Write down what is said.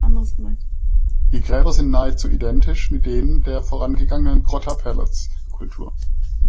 Die Gräber sind nahezu identisch mit denen der vorangegangenen Grotta-Pelos-Kultur.